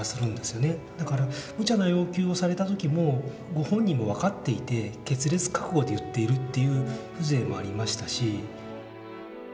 だから無茶な要求をされた時もご本人も分かっていて決裂覚悟で言っているという風情もありましたし。